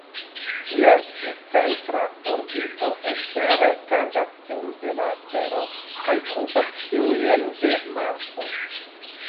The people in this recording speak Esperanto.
Ĝia discentra orbito ekstere tanĝas tiun de la Tero kaj krucas tiujn de Marso.